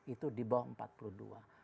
itu di bawah